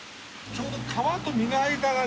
ちょうど皮と身の間がね